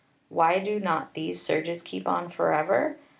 Why do not these surges keep on forever?